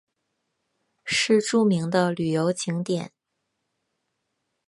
是著名的旅游景点。